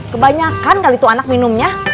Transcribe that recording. kebanyakan kali tuh anak minumnya